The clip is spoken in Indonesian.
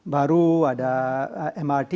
baru ada mrt